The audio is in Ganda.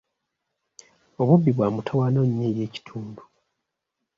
Obubbi bwamutawaana nnyo eri ekitundu.